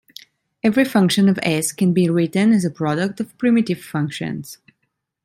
Every function of "S" can be written as a product of primitive functions.